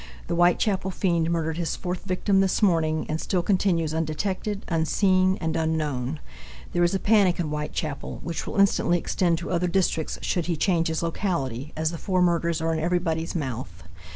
The Whitechapel fiend murdered his fourth victim this morning and still continues undetected, unseen, and unknown. There is a panic in Whitechapel which will instantly extend to other districts should he change his locality, as the four murders are in everybody's mouth.